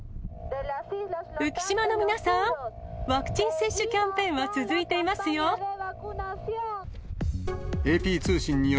浮島の皆さん、ワクチン接種キャンペーンは続いていますよ。